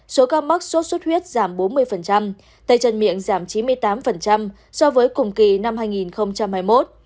số ca mắc sốt xuất huyết giảm bốn mươi tay chân miệng giảm chín mươi tám so với cùng kỳ năm hai nghìn hai mươi một